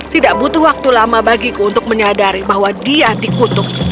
tidak butuh waktu lama bagiku untuk menyadari bahwa dia dikutuk